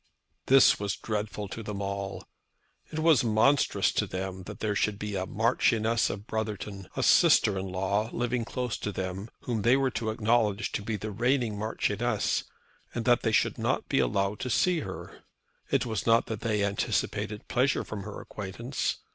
This was dreadful to them all. It was monstrous to them that there should be a Marchioness of Brotherton, a sister in law, living close to them, whom they were to acknowledge to be the reigning Marchioness, and that they should not be allowed to see her. It was not that they anticipated pleasure from her acquaintance.